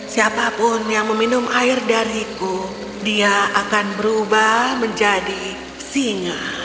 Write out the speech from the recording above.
siapapun yang meminum air dariku dia akan berubah menjadi singa